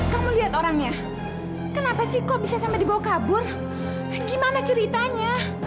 kau melihat orangnya kenapa sih kok bisa sampai dibawa kabur gimana ceritanya